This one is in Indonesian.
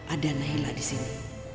ada naila di sini